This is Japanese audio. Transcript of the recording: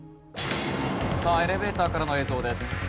さあエレベーターからの映像です。